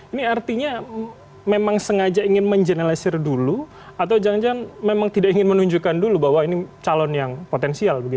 ini artinya memang sengaja ingin menjenesir dulu atau jangan jangan memang tidak ingin menunjukkan dulu bahwa ini calon yang potensial